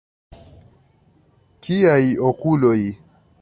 Kiaj okuloj!